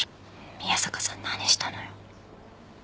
宮坂さん何したのよ。